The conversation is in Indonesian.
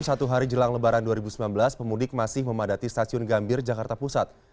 satu hari jelang lebaran dua ribu sembilan belas pemudik masih memadati stasiun gambir jakarta pusat